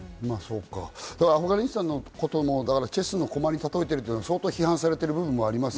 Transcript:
アフガニスタンのこともチェスの駒に例えているというのは相当、批判されてる部分もあります。